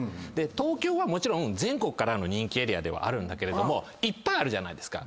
東京はもちろん全国からの人気エリアではあるんだけれどいっぱいあるじゃないですか。